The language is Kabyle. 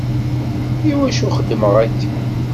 Iwacu xeddmeɣ akka?